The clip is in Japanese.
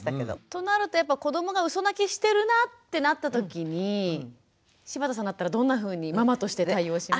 となると子どもがうそ泣きしてるなってなったときに柴田さんだったらどんなふうにママとして対応しますか？